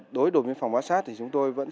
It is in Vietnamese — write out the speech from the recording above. đối với phòng bá sát thì chúng tôi vẫn sẵn